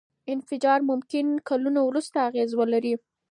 انفجار ممکن کلونه وروسته اغېز ولري.